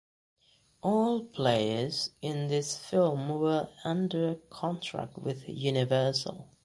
All players in this film were under contract with Universal.